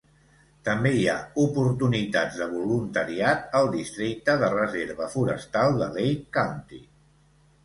També hi ha oportunitats de voluntariat al Districte de Reserva Forestal de Lake County.